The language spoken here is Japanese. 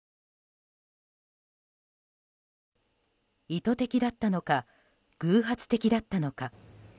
意図的だったのか偶発的だったのか。